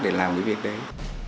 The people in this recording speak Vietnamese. để làm những việc đấy